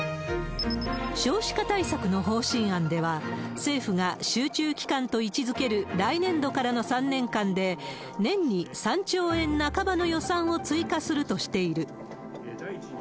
少子化対策の方針案では、政府が集中期間と位置づける来年度からの３年間で、年に３兆円半ばの予算を追加するとしている。